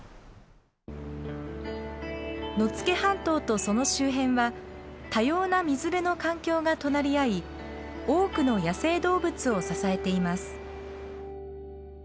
野付半島とその周辺は多様な水辺の環境が隣り合い多くの野生動物を支えています。